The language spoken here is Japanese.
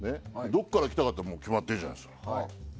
どこから来たかって、決まってんじゃないですか。